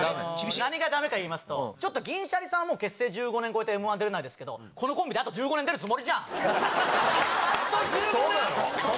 何がだめかといいますと、ちょっと銀シャリさんは結成１５年超えてもうＭー１出れないですけど、このコンビであと１５年出るつもりじゃん。